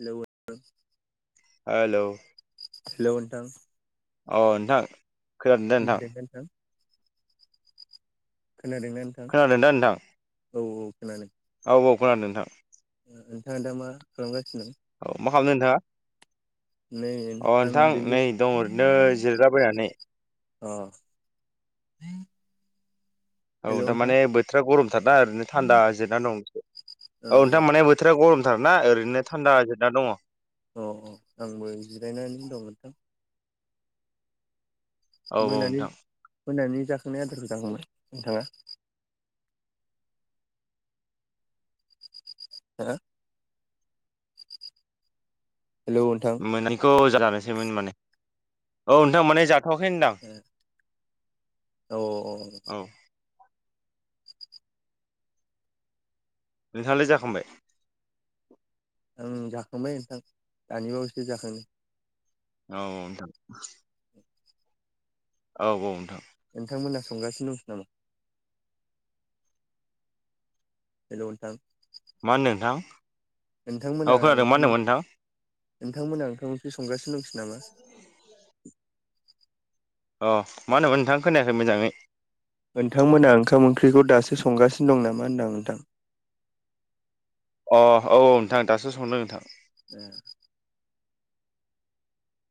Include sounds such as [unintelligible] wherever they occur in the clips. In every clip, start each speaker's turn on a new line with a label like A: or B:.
A: Hello
B: hello
A: hello नोंथां।
B: अ नोंथां खोनादों दा
A: खोनादोना नोंथां? खोनादोंना
B: खोनादोंदा नोंथां?
A: औ औ खोनादों।
B: औ औ खोनादों नोंथां।
A: ओ नोंथाङा दा मा खालामगासिनो?
B: औ मा खालामदों नोंथाङा?
A: नै
B: अ
A: आं
B: नोंथां
A: ओरैनो
B: नै दं ओरैनो जिरायलाबायनानै।
A: अ
B: औ
A: हेलौ नोंथां
B: दामाने बोथोरा गरमथारना ओरैनो थान्दा जिरना दं
A: ओ
B: औनोंथां माने थोरा गरमथारना ओरैनो थान्दा जिरना दङ
A: अ अ आंबो जिरायनानै दं नोंथां
B: औ
A: मोनानि
B: नोंथां
A: मोनानि जाखांनाय आदारखौ जाखांबाय नोंथाङा हो हेलौ नोंथां
B: मोननैखौ जानोसैमोन माने औ नोंथ माने जा
A: ओ औ औ
B: नोंथाङालाय जाखांबाय?
A: ओं जाखांबाय नोंथां दानिबावसो जाखांदो।
B: औ नोंथां औ औ नोंथां।
A: नोंथांमोनहा संगासिनो दंसै नामा? हेलो नोंथां।
B: मा होनदों नोंथां?
A: नोंथांमोना
B: औ खोनादों मा
A: ओंखाम
B: होनदोंमोन नोंथां
A: नोंथांमोना ओंखाम ओंख्रि संगासिनो दंसै नामा
B: अ मा होनदोमोन नोंथांआ खोनायाखै मोजाङै
A: नोंथांमोना ओंखाम ओंख्रिखौ दासो संगासिनो दं नामा होनदां नोंथां
B: अ औ औ नोंथां दासो संदों नोंथां
A: ए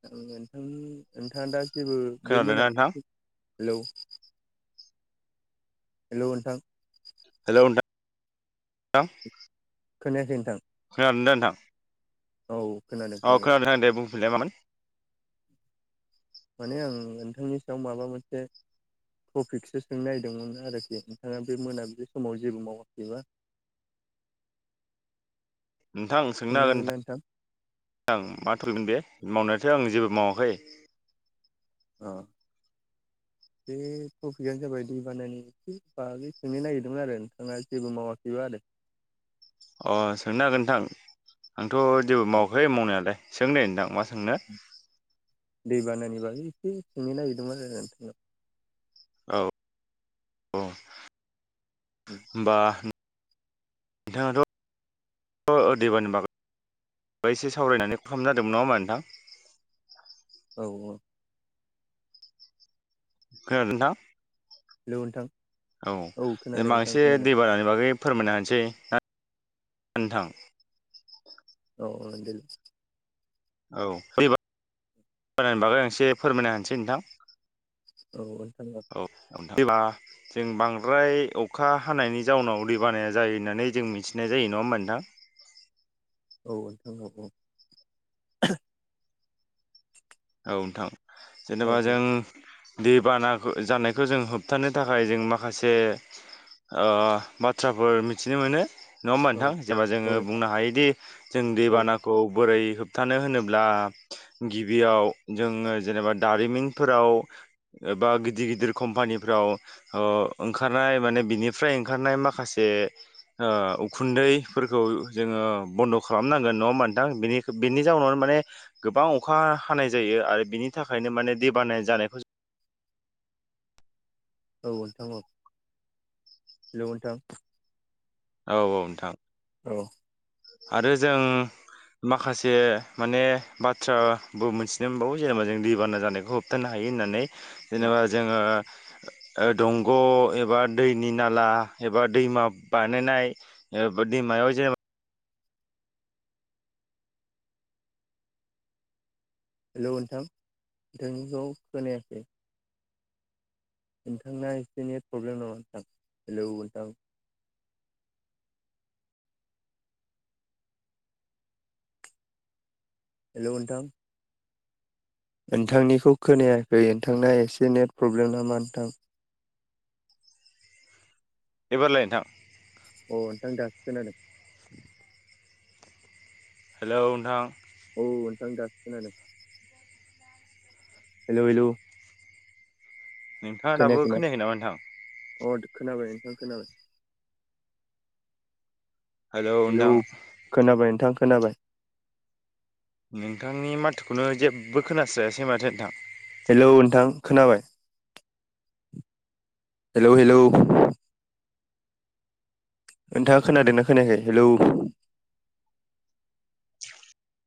A: आ नोंथांनि नोंथाङा दा जेबो बे
B: खोनादोंना
A: मोनाबलि
B: नोंथां
A: हेलौ हेल' नोंथां
B: हेलौ नोंथां [unintelligible]
A: खोनायाखै नोंथां
B: खोनादों दो नोंथां
A: औ खोनादों
B: अ खोनादों दे बुंफैनलाय मामोन
A: माने आं नोंथांनि सायाव माबा मोनसे टफपिकसो सों नायदोंमोन आरोखि नोंथाङा बे मोनाबिलि समाव जेबो मावाखैबा
B: नोंथां सोंनो हागोन नोंथां नोंथां माथ'लगोन बेे मावनायाथ' आं जेबो मावाखै
A: अ बे टपिकआनो जाबाय दै बानायानि एसे बागै सोंनो नागिरदोंमोन आरो नोंथाङा जेबो मावाखैब आरो
B: अ सोंनो हागोन नोंथां आंथ' जेबो मावाखै मावनायालाय सों द नोंथां मा सोंनो
A: दै बानानि बागै एसे सोंनो नागिरदोंमोन आरो नोंथांनाव
B: औ औ होनोमबा बिथाङाथ' अ देबानबाग एसे सावरायनानै ख जादोंमोन नङा होमबा नोंथां
A: औ औ
B: खोनादों नोंथां
A: हेल' नोंथां
B: औ द
A: खोनादों नोंथां
B: बांसे
A: खोनादों
B: दै बारानि बागै फोरमायनो हसै ना नोंथां
A: औ
B: औ फैबनि बागै एसे फोरमायना होनसै नोंथां
A: औ ओथ
B: औ देबा जों बांद्राय अखा हानायनि जाउनाव दै बानाया जायो होननानै जों मिथिनाय जायो नङा होमबा नोंथां
A: औ नोंथांनाव औ
B: औ नोंथां
A: औ
B: जेनेबा जों दैबाना जानायखौ जों होबथानो थाखाय जों माखासे ओ- बाथ्राफोर मिथिनो मोनो नङा होमा नोंथां जेनबा जोङो
A: औ
B: बुंनो हायोदि जों
A: औ
B: दैबाना खौ बोरै होबथानो होनोब्ला गिबियाव जोङो जेनेबा दारिमिनफोराव एबा गिदिर गिदिर कम्पानिफ्राव ओ- ओंखारनाय माने बिनिफ्राय ओंखारनाय माखासे ओ- उखुन्दैफोरखौ जोङो बन्द' खालामनांगोन न' मोनथांनि बेनि जाउनाव माने गोबां अखा हानाय जायो आरो बिनि थाखायनो माने दैबानाय जानायखौ जों
A: औ नोंथां औ हेल' नोंथां
B: औ औ नोंथां
A: औ
B: आरो जों माखासे माने बाथ्राबो मोनथिनो मोनबावो जेनेबा जों दै बाना जानायखौ होब होबथानो हायो होननानै
A: औ
B: जेनेबा जोङो दंग' एबा दैनि नाला एबा दैमा बाय नायनाय ओ- दैमायाव जेनेबा
A: हेल' नोंथां नोंथांनिखौ खोनायाखै नोंथांना एसे नेट प्रब्लेम नङा नोंथां हेलौ नोंथां हेल' नोंथां नोंथांनिखौ खोनायाखै नोंथांना एसे नेट प्रब्लेम नामा नोंथां
B: एबारलाय नोंथां
A: अ नोंथां जासिगोन आरो
B: हेलौ नोंथां
A: औ नोंथां दा खोनादों हेलौ हेलौ
B: नोंथाङा दाबो
A: खोनायाखैना
B: खोनायाखै नामा नोंथां
A: अ खोनाबाय नोंथां खोनाबाय हेलौ खोनाबाय नोंथां खोनाबाय
B: नोंथांनि माथोखौनो जेबो खोनास्रायासै माथो नोंथां
A: हेलौ नोंथां खोनाबाय हेलौ हेलौ नोंथाङा खोनादोंना खोनायाखाय हेलौ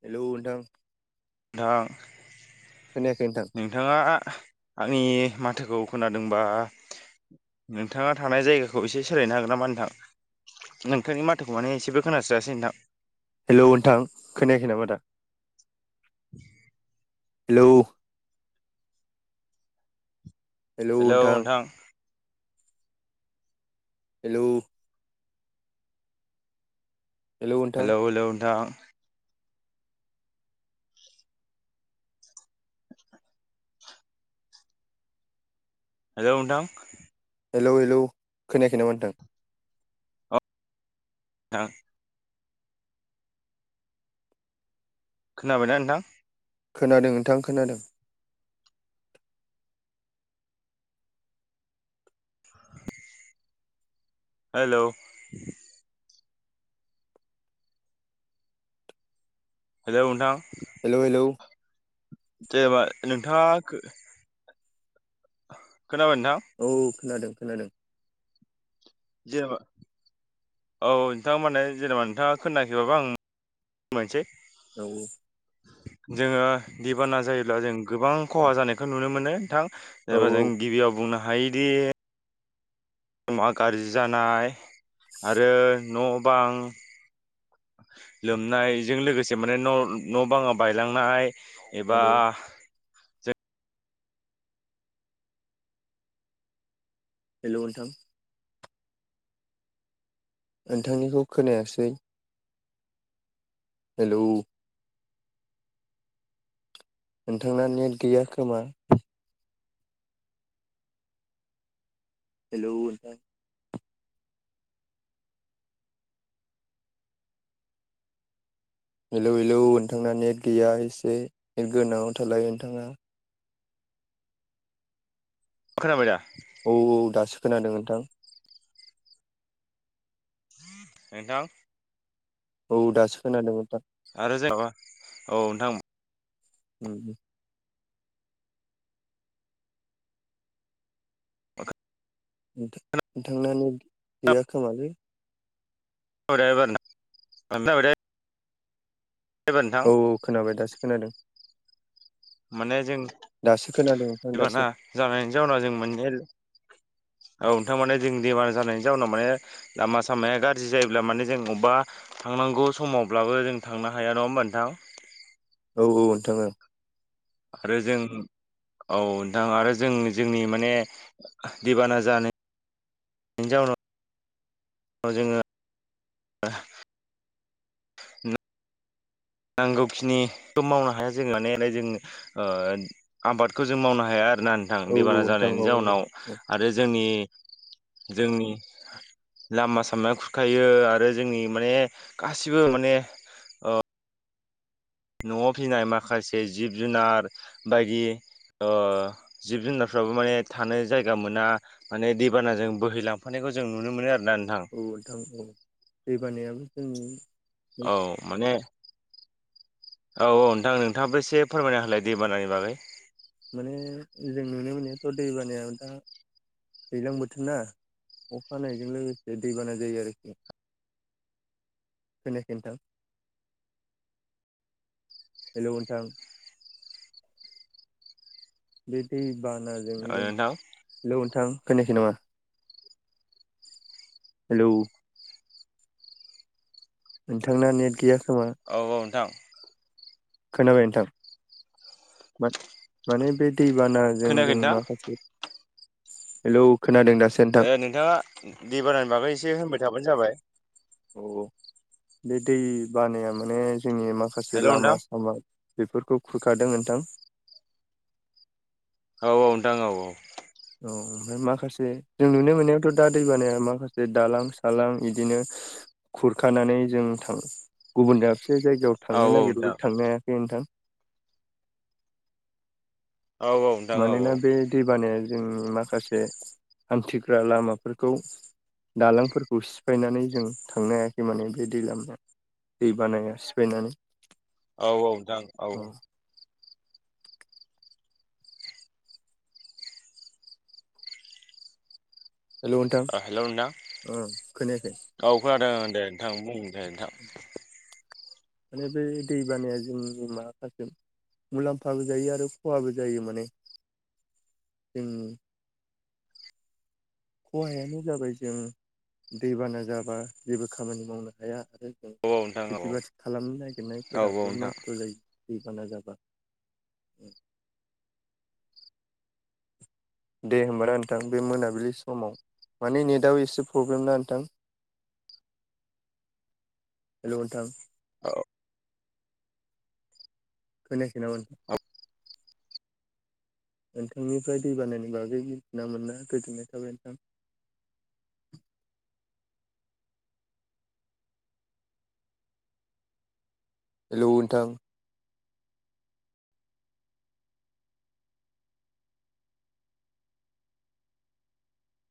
A: हेलौ नोंथां
B: नोंथां
A: खोनायाखै नोंथां
B: नोंथाङा आंनि माथोखौ खोनादोंबा नोंथाङा थानाय जायगाखौ एसे सोलायनो हागोन नामा नोंथां नोंथांनि माथोखौ माने एसेबो खोनासायासै नोंथां
A: हेल' नोंथां खोनायाखै नामा दा
B: [inaudible]
A: हेलौ हेलौ नोंथां हेलौ
B: हेलौ हेलौ नोंथां हेलौ नोंथां
A: हेलौ हेलौ खोनायाखोना नोंथां
B: थां खोनाबायना नोंथां
A: खोनादों नोंथां खोनादों
B: [inaudible] हेलौ हेलौ नोंथां।
A: Hello hello.
B: जेनेबा नोंथाङा खोनाबाय नोंथां।
A: औ खोनादों खोनादों।
B: जायाबा। औ नोंथाङा माने जेनेबा नोंथाङा खोनाखैबाबो आं मोनसै
A: औ औ।
B: जोङो दैबाना जायोब्ला जों गोबां खहा जानायखौ नुनो मोनो नोंथां।
A: औ
B: जेनेबा जों गिबियाव बुंनो हायोदि मा गाज्रि जानाय आरो न' बां लोमनायजों लोगोसे माने न' न' बाङा बायलांनाय
A: औ
B: एबा
A: हेलौ नोंथां नोंथांनिखौ खोनायासै हेलौ नोंथांना नेट गैया खोमा हेलौ नोंथां हेलौ हेलौ नोंथांना नेट गैया एसे नेट गोनाङाव थालाय नोंथाङा
B: खोनाबाय दा?
A: औ औ दासो खोनादों नोंथां।
B: नोंथां।
A: औ दासो खोनादों नों
B: आरो जेनेबा औ नोंथां।
A: उम उम।
B: [unintelligible]
A: नोंथांनानो गैया खोमालै।
B: [unintelligible] एबार नोंथां
A: औ औ खोनाबाय दासो खोनादों।
B: माने जों
A: दासो खोनादों दासो।
B: दैबाना जानायनि जाउनाव जों माने औ नोंथां माने जों बेमार जानायनि जाउनाव माने लामा सामाया गाज्रि जायोब्ला माने जों अबेबा थांनांगौ समावब्लाबो जों थांनो हाया नङा होमबा नोंथां।
A: औ औ नोंथां ओं।
B: आरो जों औ नोंथां आरो जों जोंनि माने दैबाना जानाय जाउनाव [inaudible] जोङो नांगौखिनिखो मावनो हाया जों मानाय जों ओ आबादखौ जों मावनो हाया आरोना नोंथां
A: औ
B: दैबाना
A: नोंथां
B: जानायनि
A: औ औ
B: जाउनाव। आरो जोंनि जोंनि लामा सामाया खुरखायो आरो जोंनि माने गासिबो माने न'आव फिनाय माखासे जिब जुनार बायदि जिब जुनारफ्राबो माने थानो जायगा मोना। माने दैबानाजों बोहैलांफानायखौ जों नुनो मोनो आरो ना नोंथां।
A: औ नोंथां औ दै बानायाबो जों
B: औ माने औ औ नोंथां नोंथांङाबो एसे फोरमायना होलाय दैबानानि बागै।
A: माने जों नुनो मोननायाथ' दै बानाया दा दैज्लां बोथोर ना अखानायजों लोगोसे दैबाना जायो आरोखि। खोनायासै नोंथां [inaudible] हेलौ नोंथां। बे दै बानाजों
B: औ
A: जों
B: नोंथां
A: हेलौ नोंथां खोनायाखै नामा? [inaudible] हेलौ। नोंथांना नेट गैया खोमा।
B: औ औ नोंथां
A: खोनाबाय नोंथां बाथ माने बे दैबानाजों
B: खोनायाखै
A: जों
B: नोंथां
A: माखासे हेल खोनादों दासो नोंथां।
B: थांङा दैबानानि बागै एसे होनबाय थाबानो जाबाय।
A: औ औ बे दै बानाया माने जोंनि माखासे
B: हेल' नोंथां
A: लामा सामा। बेफोरखौ खुरखादों नोंथां।
B: औ औ नोंथां औ औ।
A: [inaudible] ओमफ्राय माखासे जों नुनो मोननायावथ' दा दैबानाया माखासे दालां सालां इदिनो खुरखानानै जों थां गुबुन दाबसे जायगायाव
B: औ
A: थांनो
B: औ
A: नागिरबा
B: नोंथां
A: थांनो हायाखै नोंथां।
B: औ नोंथां औ
A: मानोना बे दैबानाया जोंनि माखासे हान्थिग्रा लामाफोरखौ दालांफोरखौ सिफायनानै जों थांनो हायाखै माने बे दैलामाया दै बानाया सिफायनानै
B: औ औ जा औ औ
A: हेल' नोंथां
B: हेल नोंथां
A: ओ खोनायाखै
B: औ खोनादों दे नोंथां बुं दे नोंथां।
A: माने बे दै बानाया जोंनि माखासे। मुलाम्फाबो जायो आरो खहाबो जायो माने जों खहायानो जाबाय जों दैबाना जाबा जेबो खामानि मावनो हाया आरो।
B: औ नोंथां औ
A: खेथि बाथि खालामनो
B: औ औ
A: नागिरनायफोराबो
B: नोंथां
A: नस्थ जायो दैबाना जाबा। दे होनबाना नोंथां बे मोनाबिलि समाव माने नेटआव एसे प्रब्लेम ना नोंथां। हेल नोंथां।
B: [inaudible]
A: खोनायाखै नामा नोंथां?
B: औ
A: नोंथांनिफ्राय दैबानायनि बागै मिथिना मोना गोजोननाय थाबाय नोंथां। हेलौ नोंथां